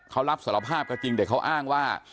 เขารับสารภาพก็จริงแต่เขาอ้างว่า